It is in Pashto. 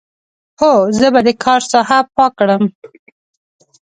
هو، زه به د کار ساحه پاک کړم.